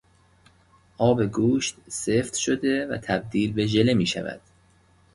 آب گوشت، سفت شده و تبدیل به ژله میشود.